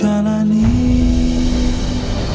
masa apa ini sih